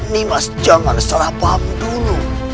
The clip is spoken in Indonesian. nimas jangan salah paham dulu